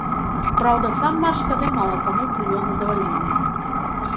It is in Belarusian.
Праўда, сам матч тады мала каму прынёс задавальненне.